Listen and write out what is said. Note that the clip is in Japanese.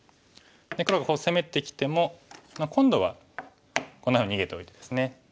黒がこう攻めてきても今度はこんなふうに逃げておいてですね。